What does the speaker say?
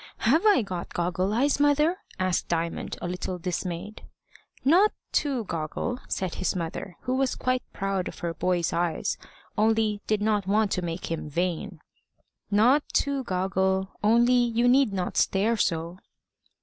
"Have I got goggle eyes, mother?" asked Diamond, a little dismayed. "Not too goggle," said his mother, who was quite proud of her boy's eyes, only did not want to make him vain. "Not too goggle; only you need not stare so."